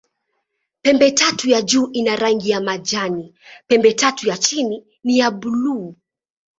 Pembetatu ya juu ina rangi ya majani, pembetatu ya chini ni ya buluu.